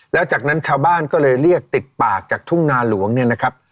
แล้วจากนั้นชาวบ้านก็เลยเรียกติดปากจากทุ่งนาหลวงเนี่ยนะครับ